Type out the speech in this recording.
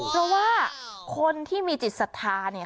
เพราะว่าคนที่มีจิตศรัทธาเนี่ย